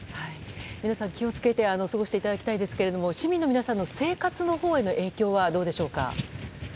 皆さん、気を付けて過ごしていただきたいですが市民の皆さんの生活のほうへの影響はどうでしょうか。